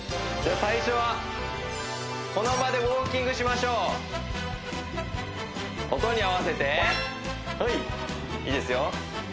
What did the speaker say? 最初はこの場でウォーキングしましょう音に合わせてはいいいですよ